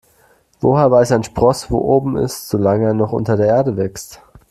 Woher weiß ein Spross, wo oben ist, solange er noch unter der Erde wächst?